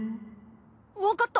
わかった。